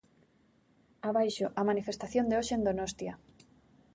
Abaixo: a manifestación de hoxe en Donostia.